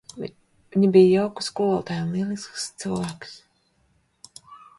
Viņa bija jauka skolotāja un lielisks cilvēks.